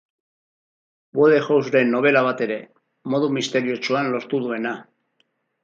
Wodehouse-ren nobela bat ere, modu misteriotsuan lortu duena.